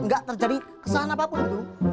nggak terjadi kesalahan apapun itu